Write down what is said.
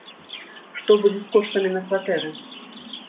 Што будзе з коштамі на кватэры?